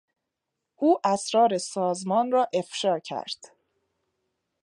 او اسرار سازمان را افشا کرد.